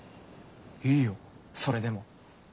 いいよそれでも。